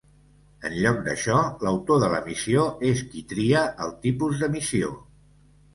En lloc d'això, l'autor de la missió és qui tria el tipus de missió.